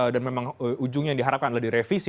dan memang ujungnya yang diharapkan adalah direvisi